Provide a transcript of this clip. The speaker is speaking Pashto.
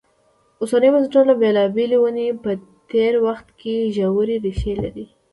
اوسنیو بنسټونو بېلابېلې ونې په تېر وخت کې ژورې ریښې لري.